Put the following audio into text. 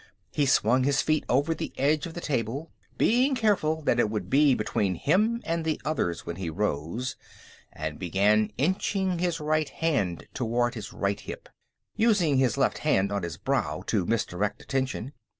He swung his feet over the edge of the table, being careful that it would be between him and the others when he rose, and began inching his right hand toward his right hip, using his left hand, on his brow, to misdirect attention.